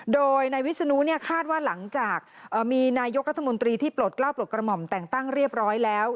โดยนายวิศนุเนี่ยคาดว่าหลังจากมีนายกรัฐมนตรีที่ปลดกล้าวปลดกระหม่อมแต่งตั้งเรียบร้อยแล้ว